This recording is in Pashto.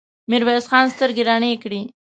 ميرويس خان سترګې رڼې کړې.